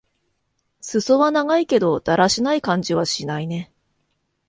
すそは長いけど、だらしない感じはしないね。